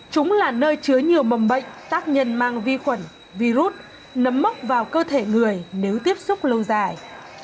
chúng là nơi chứa nhiều mầm bệnh tác nhân mang vi khuẩn virus nấm mốc vào cơ thể người nếu tiếp xúc lâu dài